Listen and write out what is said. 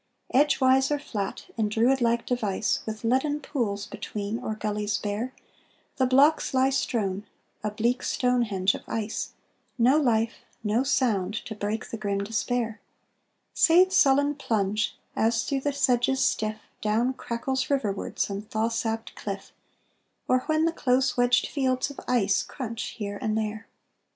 Edgewise or flat, in Druid like device, With leaden pools between or gullies bare, The blocks lie strewn, a bleak Stonehenge of ice; No life, no sound, to break the grim despair, Save sullen plunge, as through the sedges stiff Down crackles riverward some thaw sapped cliff, Or when the close wedged fields of ice crunch here and there.